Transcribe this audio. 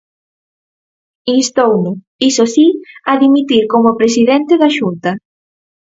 Instouno, iso si, a dimitir como presidente da Xunta.